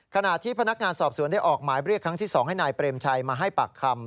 ขณะที่พนักงานสอบสวนได้ออกหมายเรียกครั้งที่๒ให้นายเปรมชัยมาให้ปากคำ